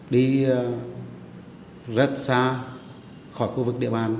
đi rất xa khỏi khu vực địa bàn